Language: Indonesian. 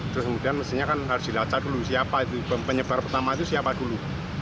terus kemudian mestinya kan harus dilacak dulu siapa itu penyebar pertama itu siapa dulu